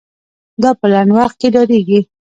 دا په لنډ وخت کې دایریږي.